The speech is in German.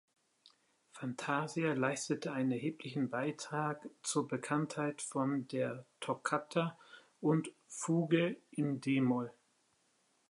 „Fantasia“ leistete einen erheblichen Beitrag zur Bekanntheit von der Toccata und Fuge in d-Moll.